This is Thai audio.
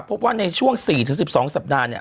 พบว่าในช่วง๔๑๒สัปดาห์เนี่ย